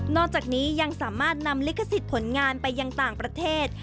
จากนี้ยังสามารถนำลิขสิทธิ์ผลงานไปยังต่างประเทศ